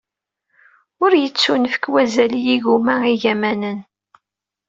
Ur yettunefk wazal i yigumma igamanen.